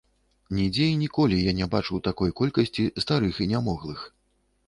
Нідзе і ніколі я не бачыў такой колькасці старых і нямоглых.